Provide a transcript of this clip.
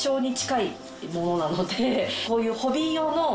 こういう。